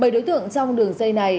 bảy đối tượng trong đường dây này